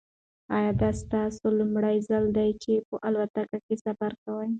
ایا دا ستاسو لومړی ځل دی چې په الوتکه کې سفر کوئ؟